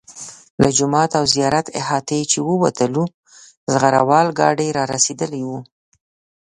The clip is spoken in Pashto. له جومات او زیارت احاطې چې ووتلو زغره وال ګاډي را رسېدلي وو.